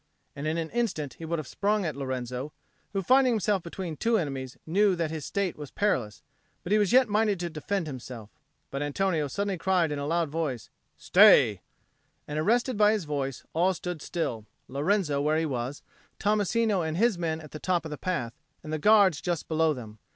and in an instant he would have sprung at Lorenzo, who, finding himself between two enemies, knew that his state was perilous, but was yet minded to defend himself. But Antonio suddenly cried in a loud voice, "Stay!" and arrested by his voice, all stood still, Lorenzo where he was, Tommasino and his men at the top of the path, and the Guards just below them.